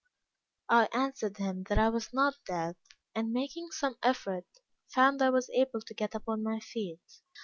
I answered him that I was not dead, and making some effort, found I was able to get upon my feet.